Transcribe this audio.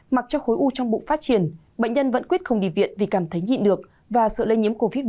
mặc cho khối u trong bụng phát triển bệnh nhân vẫn quyết không đi viện vì cảm thấy nhịn được và sự lây nhiễm covid một mươi chín